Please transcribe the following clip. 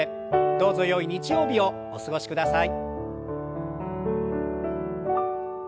どうぞよい日曜日をお過ごしください。